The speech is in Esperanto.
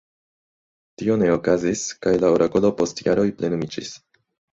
Tio ne okazis kaj la orakolo post jaroj plenumiĝis.